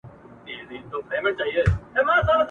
بد بویي وه او که نه وه غریبي وه !.